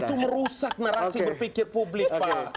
itu merusak narasi berpikir publik pak